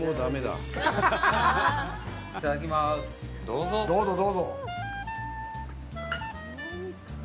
どうぞどうぞ。